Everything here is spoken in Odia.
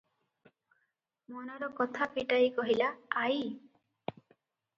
ମନର କଥା ଫିଟାଇ କହିଲା, "ଆଈ!